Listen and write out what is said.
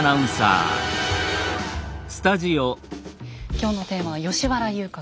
今日のテーマは「吉原遊郭」。